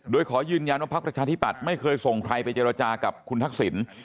โดยขอยืนยันว่าพักประชาธิปัตย์ไม่เคยส่งใครไปเจรจากับคุณทักษิณ